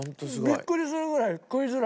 ビックリするぐらい食いづらい。